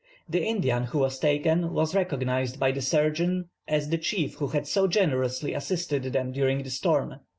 The Indian who was taken was recognized by the surgeon as the chief who had so generously assisted them during the storm.